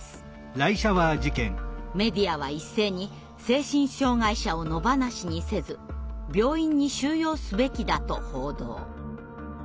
メディアは一斉に「精神障害者を野放しにせず病院に収容すべきだ」と報道。